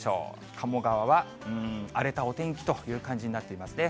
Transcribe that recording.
鴨川は、うーん、荒れたお天気という感じになっていますね。